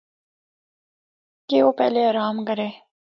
کہ او پہلے آرام کرّے۔